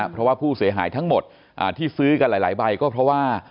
เพราะว่าผู้เสียหายทั้งหมดที่ซื้อกันหลายใบก็เพราะว่า